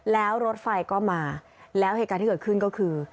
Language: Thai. แล้วรถไฟก็มาแล้วเหตุการณ์ที่เกิดขึ้นก็คือ